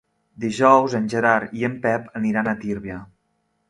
Dijous en Gerard i en Pep aniran a Tírvia.